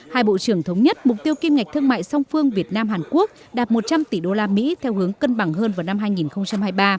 hai bộ trưởng thống nhất mục tiêu kim ngạch thương mại song phương việt nam hàn quốc đạt một trăm linh tỷ usd theo hướng cân bằng hơn vào năm hai nghìn hai mươi ba